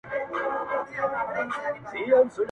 زه هم خطا وتمه.